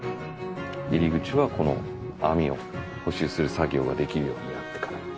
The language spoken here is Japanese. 入り口はこの網を補修する作業ができるようになってから。